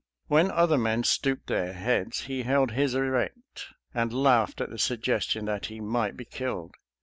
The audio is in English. When other men stooped their heads he held his erect, and laughed at the suggestion that he might be killed.